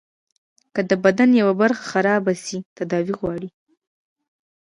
که د بدن يوه برخه خرابه سي تداوي غواړي.